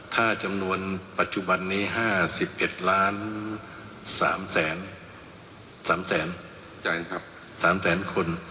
ถ้าจำนวนปัจจุบันนี้๕๑๓๐๐๐๐๐คน